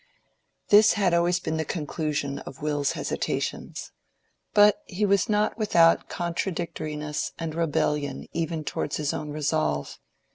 This had always been the conclusion of Will's hesitations. But he was not without contradictoriness and rebellion even towards his own resolve.